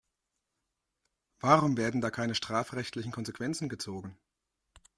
Warum werden da keine strafrechtlichen Konsequenzen gezogen?